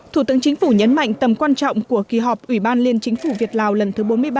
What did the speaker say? thủ tướng chính phủ nhấn mạnh tầm quan trọng của kỳ họp ủy ban liên chính phủ việt lào lần thứ bốn mươi ba